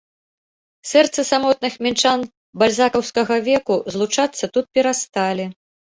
Сэрцы самотных мінчан бальзакаўскага веку злучацца тут перасталі.